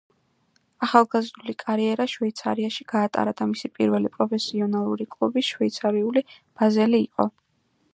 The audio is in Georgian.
ახალგაზრდული კარიერა შვეიცარიაში გაატარა და მისი პირველი პროფესიონალური კლუბი შვეიცარიული „ბაზელი“ იყო.